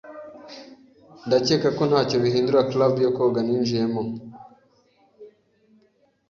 Ndakeka ko ntacyo bihindura club yo koga ninjiyemo.